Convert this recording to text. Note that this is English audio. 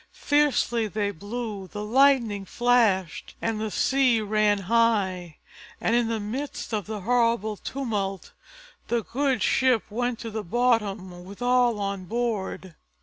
Fiercely they blew, the lightning flashed, and the sea ran high; and in the midst of the horrible tumult the good ship went to the bottom with all on board.